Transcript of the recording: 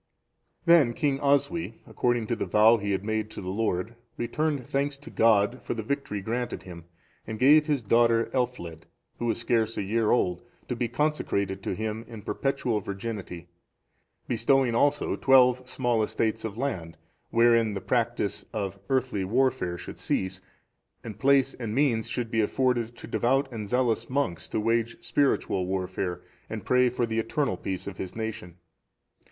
Then King Oswy, according to the vow he had made to the Lord, returned thanks to God for the victory granted him, and gave his daughter Elfled,(438) who was scarce a year old, to be consecrated to Him in perpetual virginity; bestowing also twelve small estates of land, wherein the practice of earthly warfare should cease, and place and means should be afforded to devout and zealous monks to wage spiritual warfare, and pray for the eternal peace of his nation.